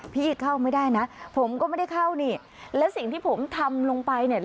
พี่เข้าไม่ได้นะผมก็ไม่ได้เข้านี่และสิ่งที่ผมทำลงไปเนี่ย